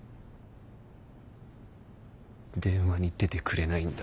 電話に出てくれないんだ。